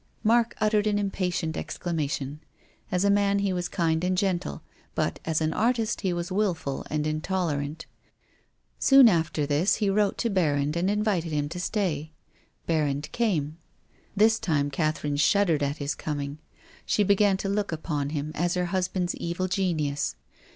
Mark uttered an impatient exclamation. As a man he was kind and gentle, but as an artist he was wilful and intolerant. Soon after this he wrote to Berrand and invited him to stay. Ber rand came. This time Catherine shuddered at his coming. She began to look upon him as her husband's evil genius.